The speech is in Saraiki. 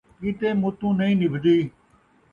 کیتے مُتوں نئیں نبھدی